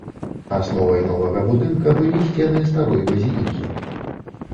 Асновай новага будынка былі сцены старой базілікі.